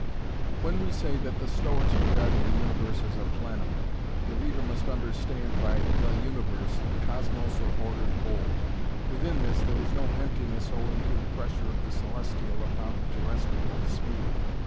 When we say that the Stoics regarded the universe as a plenum, the reader must understand by 'the universe' the Cosmos or ordered whole. Within this there was no emptiness owing to the pressure of the celestial upon the terrestrial sphere.